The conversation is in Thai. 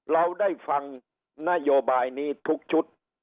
เราได้ฟังนโยบายนี้ทุกชุด